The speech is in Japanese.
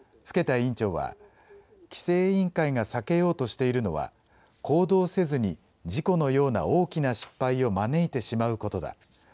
更田委員長は規制委員会が避けようとしているのは行動せずに事故のような大きな失敗を招いてしまうことだ。